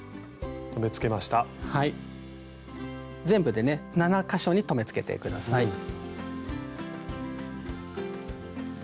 全部でね７か所に留めつけて下さい。